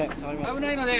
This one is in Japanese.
危ないので。